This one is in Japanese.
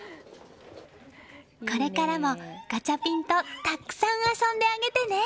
これからもガチャピンとたくさん遊んであげてね。